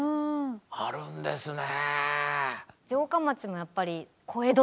あるんですね。